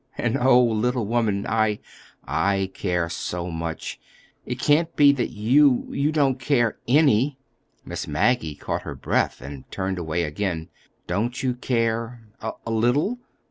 And, oh, little woman, I—I care so much, it can't be that you—you don't care—any!" Miss Maggie caught her breath and turned away again. "Don't you care—a little?"